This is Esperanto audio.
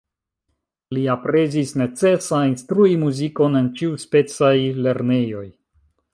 Li aprezis necesa instrui muzikon en ĉiuspecaj lernejoj.